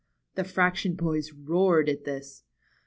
The fraction boys roared at this.